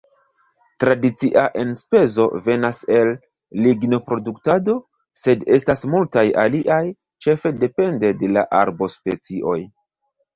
Tradicia enspezo venas el lignoproduktado, sed estas multaj aliaj, ĉefe depende de la arbospecioj.